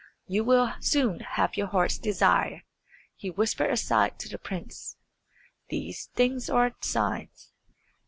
"You will soon have your heart's desire," he whispered aside to the prince. "These things are signs."